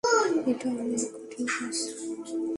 এটা অনেক কঠিন কাজ!